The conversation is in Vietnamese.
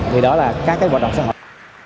thì đó là các cái hoạt động xã hội